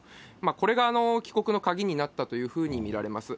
これが帰国の鍵になったというふうに見られます。